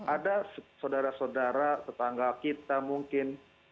ada saudara saudara tetangga kita mungkin